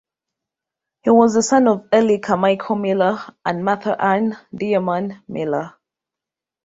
He was the son of Eli Carmichael Miller and Martha Ann (Dearman) Miller.